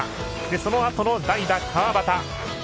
そのあとの代打川端。